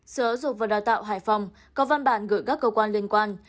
sở giáo dục và đào tạo hải phòng có văn bản gửi các cơ quan liên quan